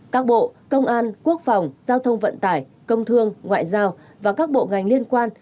các bộ công an quốc phòng giao thông vận tải công thương ngoại giao và các bộ ngành liên quan